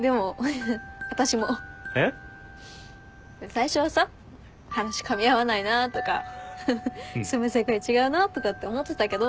最初はさ話かみ合わないなとか住む世界違うなとかって思ってたけど。